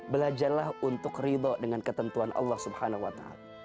belajarlah untuk ridho dengan ketentuan allah swt